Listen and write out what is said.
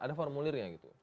ada formulirnya gitu